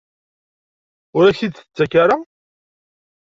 Ur ak-t-id-tettak ara?